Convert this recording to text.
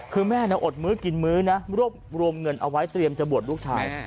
คือแม่อดมื้อกินมื้อนะรวบรวมเงินเอาไว้เตรียมจะบวชลูกชาย